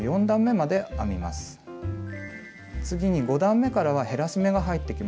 次に５段めからは減らし目が入ってきます。